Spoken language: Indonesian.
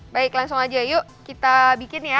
baik langsung aja yuk kita bikin ya